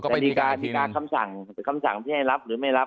บดีการดีกาคำสั่งคำสั่งที่ให้รับหรือไม่รับ